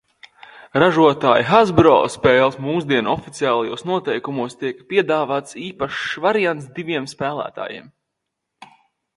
"Ražotāja "Hasbro" spēles mūsdienu oficiālajos noteikumos tiek piedāvāts īpašs variants diviem spēlētājiem."